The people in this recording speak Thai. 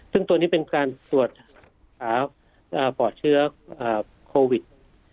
ซึ่งตัวนี้เป็นการตรวจปอดเชื้อโควิด